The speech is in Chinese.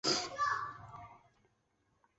里茨兴是德国萨克森州的一个市镇。